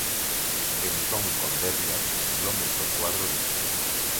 Benton konderriak kilometro koadro ditu.